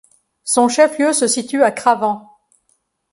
Son chef-lieu se situe à Cravant.